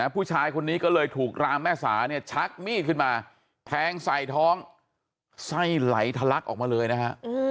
ผู้ชายคนนี้ก็เลยถูกรามแม่สาเนี่ยชักมีดขึ้นมาแทงใส่ท้องไส้ไหลทะลักออกมาเลยนะฮะ